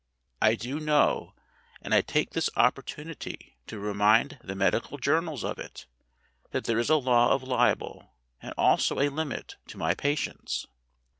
I do know and I take this opportunity to remind the medical journals of it that there is a law of libel and also a limit to my patience.